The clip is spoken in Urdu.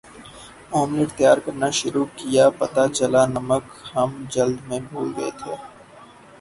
آملیٹ تیار کرنا شروع کیا پتا چلا نمک ہم جلدی میں بھول گئےتھے